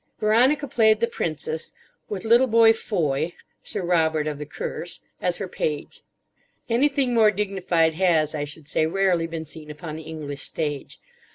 Veronica played the Princess,—with little boy Foy—"Sir Robert of the Curse"—as her page. Anything more dignified has, I should say, rarely been seen upon the English stage.